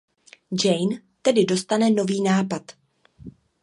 Jeanne tedy dostane nový nápad.